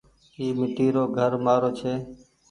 اي ميٽي رو گهر مآرو ڇي۔